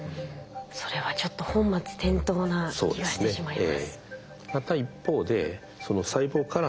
それはちょっと本末転倒な気がしてしまいます。